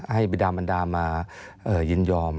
บิดามันดามายินยอม